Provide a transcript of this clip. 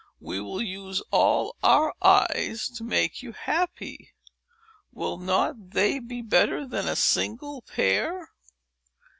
We will use all our eyes to make you happy. Will not they be better than a single pair?"